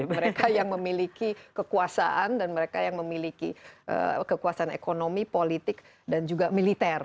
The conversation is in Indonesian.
mereka yang memiliki kekuasaan dan mereka yang memiliki kekuasaan ekonomi politik dan juga militer